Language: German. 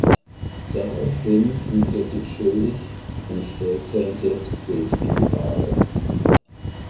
Daraufhin fühlt er sich schuldig und stellt sein Selbstbild in Frage.